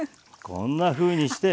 こんなふうにして。